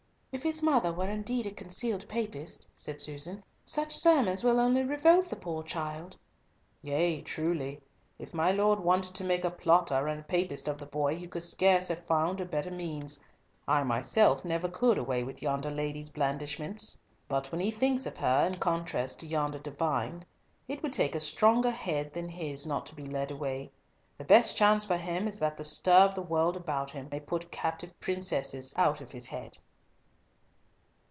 "If his mother were indeed a concealed Papist," said Susan, "such sermons will only revolt the poor child." "Yea, truly. If my Lord wanted to make a plotter and a Papist of the boy he could scarce find a better means. I myself never could away with yonder lady's blandishments. But when he thinks of her in contrast to yonder divine, it would take a stronger head than his not to be led away. The best chance for him is that the stir of the world about him may put captive princesses out of his head."